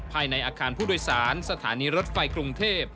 ภายในอาคารผู้โดยสารสถานีรถไฟกรุงเทพ